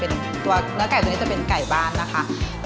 เนื้อไก่จะเป็นไก่บ้านนะคะ